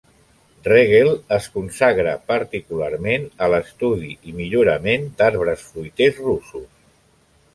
Regel es consagra particularment a l'estudi i millorament d'arbres fruiters russos.